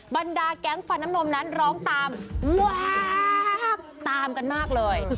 บรรดาแก๊งฟันน้ำนมนั้นร้องตามวกตามกันมากเลย